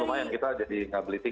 lumayan kita ada di kabupaten